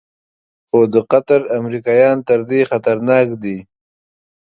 خو د قطر امریکایان تر دې خطرناک دي.